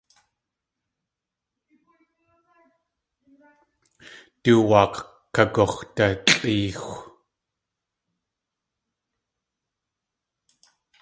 Du waak̲ kagux̲dalʼéexw.